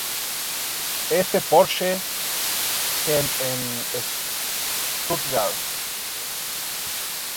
F. Porsche GmbH en Stuttgart.